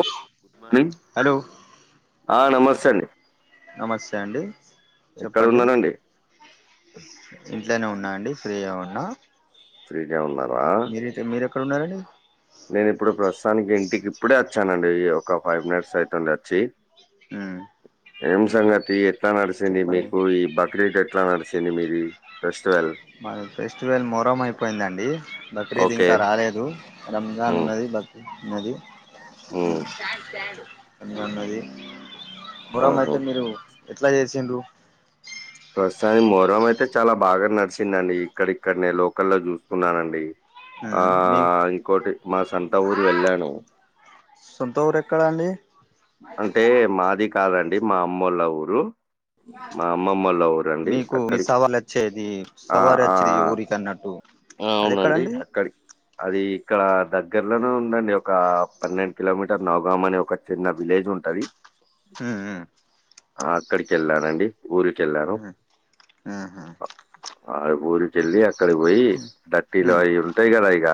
ఒ వీ హలో ఆ నమస్తే అండి నమస్తే అండి, ఎక్కడ చెప్పండి. ఉన్నారండి ఇంట్లోనే ఉన్నా అండి. ఫ్రీగా ఉన్నా ఫ్రీగా ఉన్నారా? మీరేక్కడున్నారండి? నేను ఇప్పుడు ప్రస్తుతానికి ఇంటికి ఇప్పుడే అచ్చానండి, ఒక ఫైవ్ మినిట్స్ అయితుంది అచ్చి. ఉమ్ ఏం సంగతి ఎట్లా నడిసింది చెప్పండి మీకు, ఈ బక్రీద్ ఎట్ ట్లా నడిచింది మీది ఫెస్టివల్? మాది ఫెస్టివల్ మోహారం అయిపోయిందండి, బక్రీద్ ఓకే ఇంకా రాలేదు. రంజాన్ ఉమ్ ఉన్నది, బక్రీద్ ఉన్నది ఉమ్ అన్ని ఉన్నది, మొహరం ఆహా అయితే మీరు ఎట్లా చేసిండ్రు? ప్రస్తుతానికి మోరం అయితే చాలా బాగా నడిసిందండి, ఇక్కడిక్కడనే లోకల్లో చూసుకున్నానండి. ఆ ఉమ్ మీ ఇంకోటి మా సంత ఊరు వెళ్ళాను. సొంత ఊరు ఎక్కడా అండి? అంటే మాది కాదండి మా అమ్మోళ్ళ ఊరు. మా అమ్మమ్మోళ్ళ ఊరండి మీకు మీ అక్కడికి సవల్ అచ్చేది, ఆ! సవారి ఆ! వచ్చేది ఊరికన్నట్టు. ఆ అవునండి అక్కడిక్ అది ఇక్కడ దగ్గరలోనే ఉందండి, ఒక పన్నెండు కిలోమీటర్ నవగాం అనే ఒక చిన్న విలేజ్ ఉంటది. ఉహు ఆ అక్కడికెళ్ళానండి ఊరికెళ్ళాను. ఉమ్ ఉమ్ ఆ ఊరికెళ్ళి అక్కడికి పోయి, తట్టిలు ఉమ్ అయి ఉంటయి కదా ఇగ,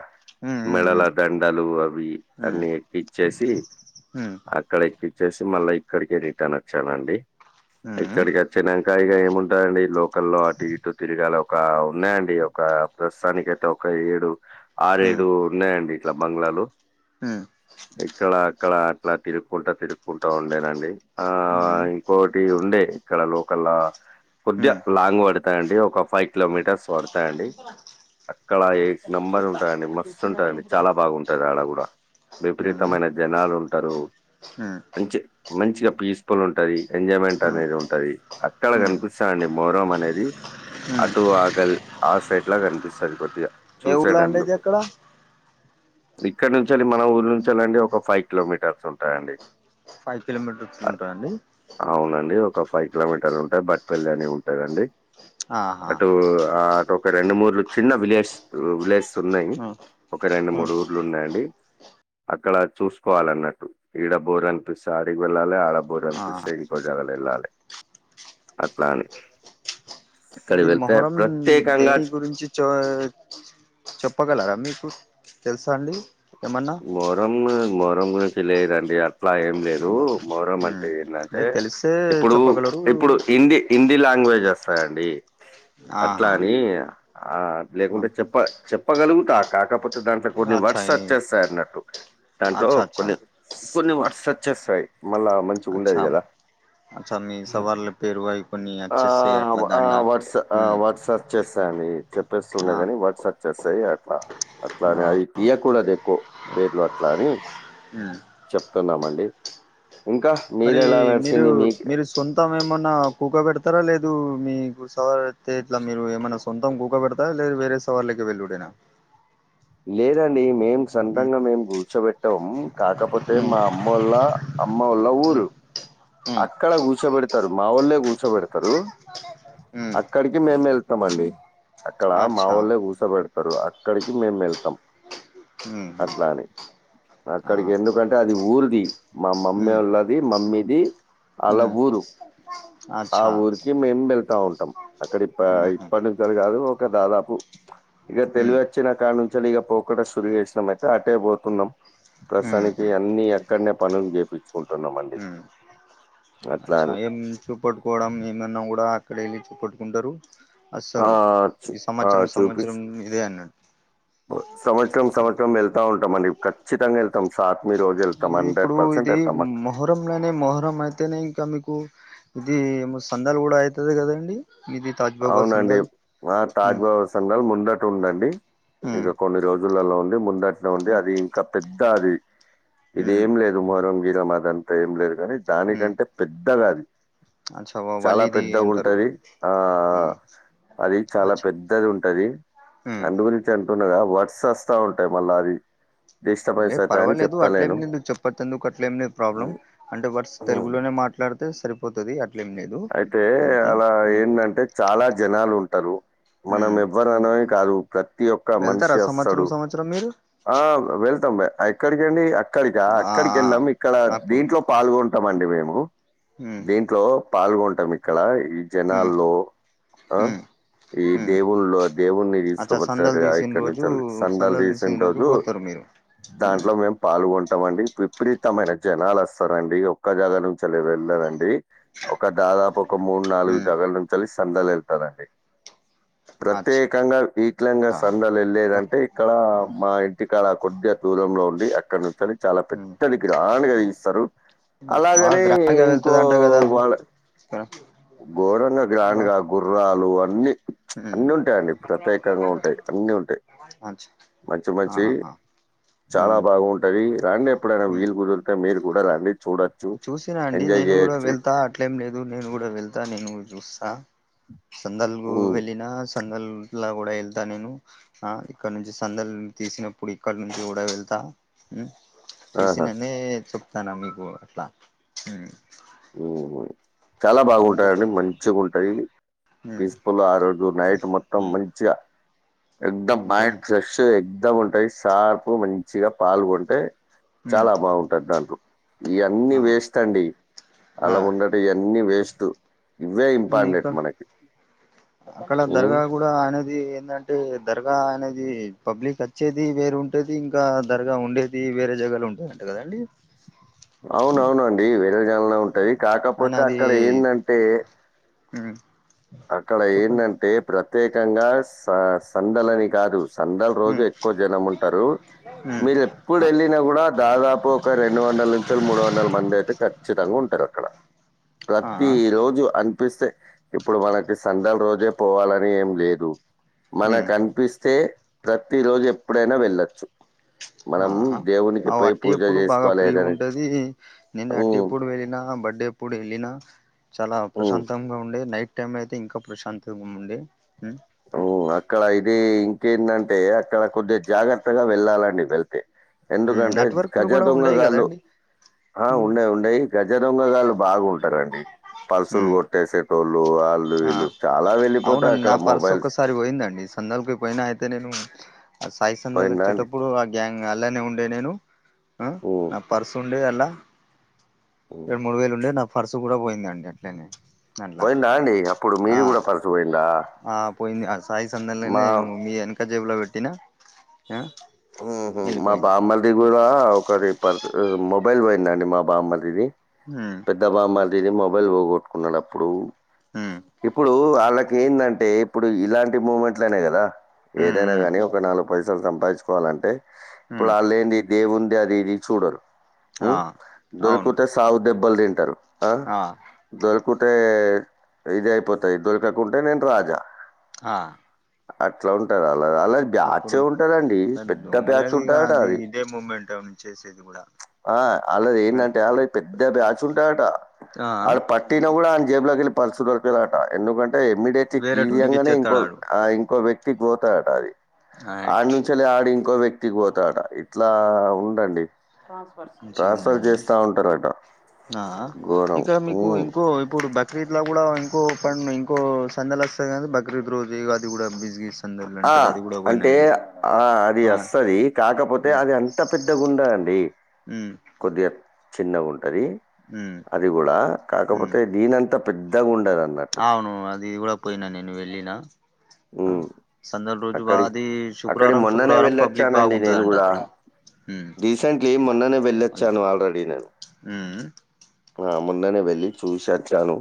ఉమ్ ఉమ్ మెడల ఉమ్ దండలు అవి ఉమ్ అన్ని ఇచ్చేసి ఏ అక్కడిక్కిచ్చేసి మళ్ళా ఇక్కడికే రిటర్న్ వచ్చానండి, ఇక్కడిక్ చినంకా ఇగ ఏముంటందండి లోకల్లో అటు ఇటు తిరగాల ఒక ఉన్నయండి, ఒక ప్రస్ సలికి తక్కువ ఏడు, ఆరేడు ఉన్నాయండి ఇట్ల బంగ్లాలు ఇక్కడ అక్కడ అట్లా తిరుక్కుంటా తిరుక్కుంటా ఉండేనండి. ఆ! ఉమ్ ఇంకోటి ఉండే ఇక్కడ లోకల్లా కొద్దిగా లాంగ్ పడతాయండి, ఒక ఫైవ్ కిలోమీటర్స్ పడతయండి. అక్కడ ఏస్ నెంబర్ ఉంటదండి, మస్తు ఉంటడి, చాలా బాగు ఉంటది ఆడ గుడా. విపరీతమైన జనాలుం ఉమ్ మంచి మంచిగా పీస్ ఫుల్ ఉంటది. ఎంజాయ్మెంట్ అనేది ఉంటది, అక్కడ కనిపిస్తదండి మొహరం అనేది. అటు ఆగల్ ఆ సైట్ లా కనిపిస్తది కొద్దిగా, ఊర్లో అండి ఇది చూసేడందుకు. ఎక్కడ ఇక్కడ నుంచెళ్ళి మన ఊర్ నుంచెల్లి ఒక ఫైవ్ కిలోమీటర్స్ ఉంటదండి ఫైవ్ కిలోమీటర్స్లు ఉంటాదండి. అవునండి ఒక ఫైవ్ కిలోమీటర్లు ఉంటాయి బట్పల్లి అని ఉంటాదండి. ఆహా అటు అ అటు ఒక రెండు మూర్లు చిన్న విలేజ్ విలేజ్. ఉన్నాయి ఒక రెండు, మూడు ఊర్లు ఉన్నాయండి అక్కడ చూస్. కోవాలన్నట్టు ఈడ బోరు అనిపిస్తే ఆడికి వెళ్ళాలి ఆడ బోరు ఆ అనిపిస్తే ఈడికి. పొద్దుగాలనే వెళ్ళాలి అట్లాని. అక్కడికి ఇది వెళ్తే మొహరం ప్రత్యేకంగా. దేని గురించి చ చెప్పగలరా మీకు తెలుసా అండి ఏమన్నా. మరం మోరం నుంచి గురించి లెద్ అంతా. అట్లా ఏం లేదు మొహరం అంటే అదే ఏంటంటే తెలిస్తే ఇప్పుడు చెప్పగలరు ఇప్పుడు హిందీ. హిందీ లాంగ్వేజ్ వస్తాయిండి అట్లా ఆహా అని లేకుంటే చెప్ప. చెప్పగలుగుతా కాకపోతే దాంట్లో కొన్ని అచ్చా వర్డ్స్ అచ్చేస్తాయి అన్నట్టు దాంట్లో అచ్చా అచ్చా కొన్ని. కొన్ని వార్డ్స్ వచ్చేస్తయి మళ్ళా మంచిగ ఉండదు అచ్చా కదా. అచ్చా మీ సవాళ్ళ పేరువై కొన్ని యాక్సెస్ అట్లా ఆ దాండా వర్డ్స్ఆ మ్ వర్డ్స్. వచ్చేస్తేండి చెప్పేస్తుండ ఆ కాని వర్డ్స్ వచేస్తాయి అట్లా అట్లా అని ఆ అవి తీయకుడదు. కొ పేర్లు అట్లా అని. మ్మ్ చెప్తున్నామండి ఇంకా మీరు మరి ఎలా మీరు నడిసింది మీకు. మీరు సొంతం ఏమన్నా కూక పెడతారా లేదు మీ గు సవతే ఇట్లా మీరు ఏమైనా. సొంతం కూక పెడ్తా లేద వేరే సవార్లకి వెళ్ళుడేనా. లేదండి మేము మ్ సంతంగా మేము కూర్చోబెట్టం కాకపోతే మ్ మా అమ్మ ఓల్ళ. అమ్మోళ్ళ ఊరు మ్ అక్కడ కూర్చోబెడతారు మా వాళ్ళే కూర్చోబెడతారు. మ్ అక్కడికి మేము వెళ్తాము అండి. అక్కడ మా అచ్చా వోళ్ళే కుసబెడతారు అక్కడికి మేము వెళ్తాం. మ్ అట్లానే ఆ అక్కడికి ఎందుకంటే అది ఊరిది మా మ్ మమ్మోళ్ళ. మమ్మీది అలా మ్ ఊరు ఆ అచ్చా ఊరికి మేం వెళ్తా ఉంటాం. అక్కడ ఇప మ్ హు ఇప్పటి నుంచెళ్ళి కాదు ఒక దాదాపు ఇక మ్ తెలివి వచ్చిన కాడ నుంచి. యాక్చువల్లీ ఇగ పోకుండా సురు చేసినాం అయితే అటే పోతున్నాం మ్ ప్రస్తుతానికి హు అన్ని. అక్కడనే పనులు చేపించుకుంటున్నామండి మ్ అట్లా అని. సాయం చూపెట్టుకోవడం ఏమైన్నా కూడా అక్కడ వెళ్ళి చూపెట్టుకుంటారు. అ ఆ! సరు చు ఈ ఆ! సంవత్సరం చూపిచ్ సంవత్సరం ఇదే అన్నాడు. సంవత్సరం సంవత్సరం వెళ్తా ఉంటాం అండి ఖచ్చితంగా వెళ్తాం సాత్మీ రోజు. ఎళ్తామం హండ్రెడ్ పర్సెంట్ వెళ్తాం. మొహరం లోనే మొహరం అయితేనే ఇంకా మీకు. ఇది ఏమో సందాలు కూడా అయితది కదండి ఇది. తాజ్బాబా అవునండి సందాల్ ఆ ఉమ్ తాజ్బ సంఘాలు ముందట ఉందండి ఉమ్ ఇక కొన్ని రోజులు. లలో ఉంది ముందటిన ఉంది ఉమ్ అది ఇంకా పెద్ద అది ఇది ఉమ్ ఏం లేదు. మొహరం గిహరం అదంతా ఏం లేదు కాని ఉమ్ దానికంటే పెద్దగా అది. అచ్చా చాలా వలీది పెద్దగా అంటారు ఉంటది ఆ. ఆ ఉమ్ అది చాలా అచ్చా పెద్దది ఉంటది ఉమ్ అందు గురించి. అంటున్నగా వర్డ్స్ వస్తా ఉంటాయి మళ్ళా అది. లే డిస్టర్బెన్స్ అవుతాయని పర్వాలేదు అట్లే చెప్తలేను ఏమి లేదు చెప్పొచ్చు అట్లే ఏమి లే ప్రాబ్లమ్ అంటే వర్స్ తెలుగులోనే మాట్. డుతే సరిపోతది అట్. అయితే అలా ఏంటంటే చాలా జనాలు ఉంటరు మనం ఉమ్. ఎవ్వరు. కాదు ప్రతి ఒక్క మనిషి వెళ్తారా సంవత్సరం వస్తడు. సంవత్సరం మీరు ఆ వెళ్తాం ఎక్కడికండి అక్కడికా, ఆ అక్కడికి వెళ్శం ఇక్కడ నాగ్పూర్ దీంట్లో పాల్గొంటాం అండి మేము ఉమ్ దీంట్లో పాల్గొంటాం ఇక్కడ ఉమ్ జనాల్లో ఆ ఉమ్ ఈ ఉమ్ దేవుళ్లో దేవున్నీ అచ్చా సందలు తీసుకోపోచ్చారు తీసిన ఇక్కడ రోజు నుంచిళ్ సందాలు సందలు తీసిన తీసేట్ రోజు పోతారు మీరు ఉమ్ దాంట్లో మేము పాల్గొంటామ అండి విపరీతమైన జనాలు వస్తారండి ఒక్క జాగా నుంచి అళ్ళ వెళ్ళారండి ఒక దాదాపు ఒక మూడు నాలుగు ఉమ్ జాగాల నుంచి సందాలు వెళ్తారండి అచ్చా ప్రత్యేకంగా వీట్లలంగా సందాలు వెళ్ళలేదంటే ఇక్కడ మా ఇటికాడ కొద్దిగా దూరంలో ఉండి అక్కడ నుంచి చాలా ఉమ్ పెద్దది గ్రాండ్ గా ఇస్తారు ఉమ్. బాగా అలాగనే ఇంకో వాళ్ళ స ఘోరంగా గ్రాండ్ గా గుర్రాలు అని అన్ని ఉమ్ అన్ని ఉంటాయిండి ప్రత్యేకంగా ఉంటాయి అన్ని ఉంటాయి మంచిది మంచి మంచి చాలా బాగుంటది రాండి ఎప్పుడైనా ఉమ్ వీలు కుదుర్ తే మీరు కూడా రాండి చూడ చూసినా అండి నేను కూడా వెళ్తా అట్లేం లేదు నేను కూడా వెళ్తా నేను చూస్తా సందల్గు హ్మ్. వెళ్ళిన సందలా కూడా వెళ్తా నేను ఆ ఇక్కడ నుంచి సందలు తీసినప్పుడు ఇక్కడ నుంచి కూడా వెళ్తా చూసి ఆహా! నన్నే చెప్తాన మీకు అట్లా చాలా ఇంకా బాగుంటాయి అండి మంచిగా ఉంటాయి ఉమ్ ఆ రోజు నైట్ మొత్తం ఉమ్ మంచిగా ఎంత ఇంకా మైండ్ ఫ్రెష్ ఎగ్ ఉంటాయి సార్పు మంచిగా పాల్గొంటే ఉమ్ చాలా బాగుంటది దాంట్లో ఇయన్నీ ఆ వేస్ట్ అండి ఆ అలా ఉండట ఇయన్నీ వేస్ట్ ఇవ్వే ఇక ఇంపార్టెంట్ మనకి ఉ ఇంకా అనేది ఏంటంటే దర్గా అనేది పబ్లిక్ వచ్చేది వేరు ఉంటది ఇంకా దర్గా ఉండేది ఇది వేరే జగాలో ఉంటాయన్ట కదండి ఉమ్ అవునవునండి వెరే జాగాలనే ఉంటది కాకపోతే అక్కడ ఏంటంటే అ అక్కడ ఏంటంటే ప్రత్యేకంగా స సందలని కాదు సందాల రోజు మ్ ఎక్కువ జనం ఉంటారు మ్ మీరు ఎప్పుడు ఆ వెళ్ళినా కూడా దాదాపు ఒక రెండు వందల నుంచి మూడు వందల మంది అయితే కాన్ప్ ఖచ్చితంగా ఉంటారు అక్కడ ఆ ప్రతి రోజు అనిపిస్తే ఇప్పుడు మనకి సందాల రోజే పోవాలని ఏం లేదు మ్ మనకు అనిపిస్తే ప్రతి రోజు ఎప్పుడైనా వెళ్ళచ్చు మనం దేవ్ అవ్ అట్టి ఎప్పుడు బాగా ఫ్రీ ఉంటది నేను అట్టి హ్మ్. ఎప్పుడు వెళ్ళిన బర్డే ఇప్పుడు వెళ్ళిన చాలా హ్మ్. ప్రశాంతంగా ఉండే నైట్ టైం అయితే ఇంకా ప్రశాంతంగా ఉండే అవ్ అక్కడ ఇది ఇంకేంటంటే అక్కడ కొద్దిగ జాగ్రత్తగా వెళ్ళాలండి వెళ్తే మ్ ఎందుకంటే నెట్వర్క్లు గజ కూడా ఉండయి దొంగగాళ్ళు కదండి ఆ మ్ ఉన్డాయ్ ఉండాయ్ గజ దొంగగాళ్ళు బాగుంటారండి పల్సులు మ్ కొట్టేసేటోళ్ళు వాళ్ళు ఆ వీళ్ళు చాలా వెళ్ళిపోతాయి అక్కడ మొబైల్స్ ఒకసారి పోయిందండి సందాలకి పోయినా అయితే నేను ఆ సాయి సందాలు పోయిందా అండి? వచ్చేటప్పుడు ఆ గ్యాంగ్ అలానే ఉన్ డే నేను హ్మ్. నా పర్స్ ఉండే అల్లా హ్మ్. రెండు మూడు వేలు ఉండే నా పరుసు కూడా పోయిందండి అట్లనే అట్లా పోయిందా అండి అప్పుడు ఆ మీది కూడా పర్సు పోయిందా ఆ పోయింది ఆ సాయి సందల్లనే మా మీ వెనక జేబుల పెట్టినా మా వెళ్ళిపోయింది బామ్మర్ద్ ది కూడా ఒకరి పర్ మొబైల్ పోయిందండి మా బామ్మర్దిది హు పెద్ద బామ్మర్దిది మొబైల్ పోగొట్టుకున్నాడు అప్పుడు హ్మ్ ఇప్పుడు వాళ్ళకి ఎందంటే ఇప్పుడు ఇలాంటి మూమెంట్లనే కదా హ్మ్ ఏదైనా హ్మ్ కానీ ఒక నాలుగు పైసలు సంపాదించుకోవాలంటే ఇప్పుడు హ్మ్ అల్లెంది దేవుంది అది ఇది చూడరు ఆ అవును [unintelligible] సాగు దెబ్బలు తింటారు ఆ దొలుకుతే ఇది అయిపోతాయి దొరకకుంటే నేను రాజా ఆ అట్లా ఉంటారు అల్లదీ అల్లద్ బ్యాచ్ ఇప్పుడు ఏ ఉంటాదండి దొంగలది ఇగ అది ఇదే మూమెంటం చేసేది కూడా ఆ ఆళ్ళది మరి ఏందాంటే ఆళ్ళది పెద్ద బ్యాచ్ ఉంటాదాట ఆ వాళ్ళు పట్టిన కూడా ఆన్ జేబులకేళ్ళలి పర్సు దొరికదట ఎందుకం ఎమీడియట్లీ వేరేటోనికి తియంగానే ఇంకో ఇచ్చేత్తాడు ఆడు ఆ ఇంకో వ్యక్తి పోతదట అది ఆడ రైట్ నుంచి తలి ఆడి ఇంకో వ్యక్తికి పోతదట ఇట్లా ఉండండి మంచిగా ట్రాన్స్ఫర్ ఉన్నాయండి చేస్తా ఉంటారట ఆ ఘోరం ఇక్కడ మీకు ఉమ్. ఇంకో ఇప్పుడు బ బక్రీద్లో కూడా ఇంకో పం ఇంకో సందలు వస్తది కానీ బక్రీద్ రోజు ఇగ అది కూడా బిస్గీస్ ఆ అంటే ఆ అది ఆ ఆస్తది కాకపోతే అది అన్ ఇంత పెద్ద గుండదండి ఉహ్ కొద్దిగా చిన్నగుంటది ఉమ్ అది కూడా ఉమ్ కాకపోతే దీనంతా పెద్దగుండదు అన్నట్ అవును అది కూడా పోయినా నేను వెళ్ళిన ఉ ఆ సందడి రోజు బా అక్కడి అది అక్కడి శుక్రవారం మొన్ననే శుక్రవారం పబ్లిక్ వెళ్ళొచ్చానండి నేను బాగుంటదంట కూడా అక్కడ ఉమ్ రీసెంట్లీ మొన్ననే వెళ్ళొచ్చాను ఆల్రెడీ నేను హుహ్ ఆ మొన్ననే వెళ్ళి చూసోచ్చాను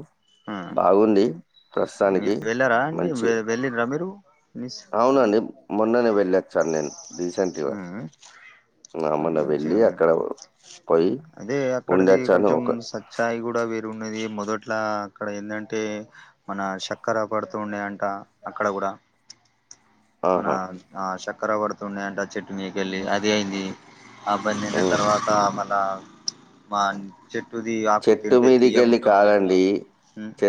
ఆ బాగుంది ప్రస్తుతానికి మంచి వెళ్ళిరా మీరు మిస్ అవునండి మొన్ననే వెళ్ళొచ్చాను నేను హు రీసెంట్‌గా. ఉ ఆ! అక్కడ మొన్న మంచిగా వెళ్ళి ఉన్నా అక్కడ పోయి అదే అక్కడది ఉండొచ్చాను. కొంచెం ఒక సజ్ చాయ్ కూడా వేరు ఉన్నది మొదట్లా అక్కడ ఏందాంటే మన చక్కర పడుతూ ఉండే అంట అక్కడ కూడా మన ఆహా! ఆ చక్కర పడుతుండేయంటే ఆ చెట్టు మీదకెళ్ళి అదే అయింది ఆ బంద్ అయిన హ్మ్. తర్వాత మల్ల బా చెట్టుది ఆకు చెట్టు తింటే మీదికెళ్ళి తియ్యగుంటుండే అంట కాదండి.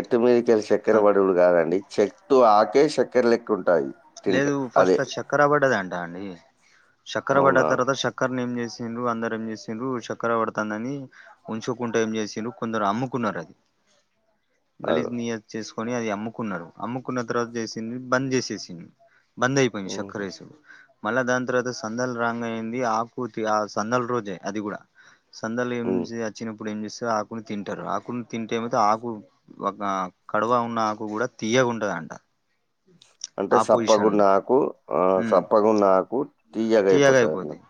చెట్టు మీదకెళ్ళి చక్కెర బడూడు కాదండి చెట్టు ఆకే చక్కెర లెక్కు ఉంటాయి లేదు ఫస్ట్ లో చక్కెర పడ్డద అంటా అండి చక్కర పడ్డ అవునా? తర్వాత చ చక్కర్ని ఏం చేసిండ్రు అందరేం చేసిండ్రు చక్కర పడుతందని ఉంచకుండా ఏం చేసిర్రు కొందరు అమ్ముకున్నారు అది అగొ గలీజ్ నియజ్ చేసుకొని అది అమ్ముకున్నారు అమ్ముకున్న తర్వాత చేసింది బంద్ చేసేసింది బందై పోయింది హుహు. చక్కరెసుడు మళ్ళా దాని తర్వాత సందలు రాంగ్ అయింది ఆకూలు ఆ సందల రోజే అది కూడా సందాలు ఏం హ్మ్. వచ్చినప్పుడు ఏం చేస్తారు ఆకుని తింటారు ఆకుని తింటే ఏమైతే ఆకు ఒక కడువ ఉన్నా ఆకు కూడా తీయగా ఉంటదంట అంటే ఆ సప్పగా పొజిషన్ ఉండే ఉండి ఆకు ఆ ఉమ్ చప్పగా ఆకు తీయగా అయిపోతాంది అన్నటు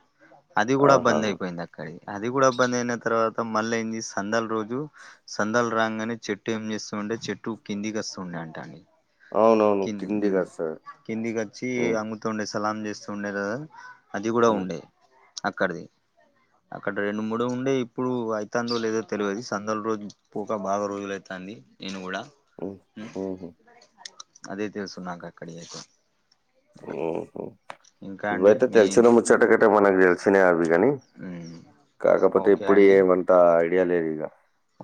అది కూడా ఆహహ బంద్ అయిపోయింది అక్కడి అది కూడా బందైనా అయిన తర్వాత మళ్ళీ అయింది సందాల రోజు సందాలు రాగానే చెట్టు ఏం చేస్తు ఉంటే చెట్టు కిందికి వస్తుండే అంటా అని అవునవును. కిందికి ఉమ్ కిందికస్తది. కిందికి హ్మ్. ఆ తుండే సలాం చేస్తూ ఉండే కదా అది కూడా హ్మ్. ఉండే అక్కడది అక్కడ రెండు మూడు ఉండే ఇప్పుడు అవుతుందో లేదో తెలియది సందల రోజు పోక బాగా రోజులైతంది నేను కూడా ఓ ఉమ్ ఓహో అదే తెలుసు నాకుక్కడియితే ఉహ అండి ఇవైయితే మీ తెలిసిన ముచ్చోటకటే మనకు తెలిసినాయే అవి కాని ఉమ్ కాకపోతే ఓకే ఇప్పుడు అండి ఏమంతా ఐడియా లేదు ఇక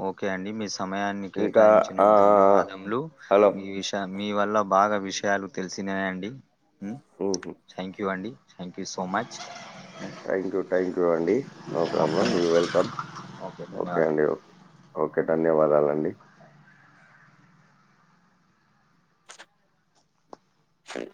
ఓకే అండి మీ సమయాన్ని ఇంకా కేటాయించిన ఆ ఆ, ధన్యవాదములు హలో మీ విష మీ వల్ల బాగా విషయాలు తెలిసిన్నాయి అండి ఆఓహ థాంక్యూ అండి thank you so much thank you thank you అండి no problem you welcome okay ధన్యవాదము అండి ఓకే ఓకే ధన్యవాదాలండి స